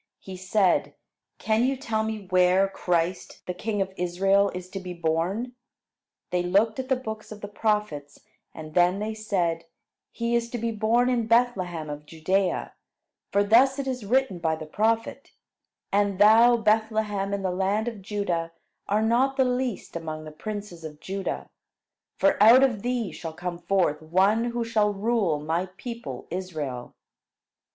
He said: "Can you tell me where Christ, the king of Israel, is to be born?" They looked at the books of the prophets, and then they said: "He is to be born in Bethlehem of Judea; for thus it is written by the prophet, 'And thou Bethlehem in the land of Judah are not the least among the princes of Judah; for out of thee shall come forth one who shall rule my people Israel.'"